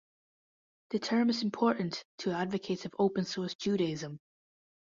The term is important to advocates of Open Source Judaism.